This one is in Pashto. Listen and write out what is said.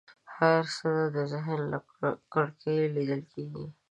هر څه د ذهن له کړکۍ لیدل کېږي.